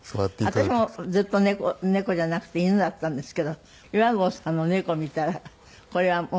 私もずっと猫猫じゃなくて犬だったんですけど岩合さんの猫を見たらこれはもうね可愛い。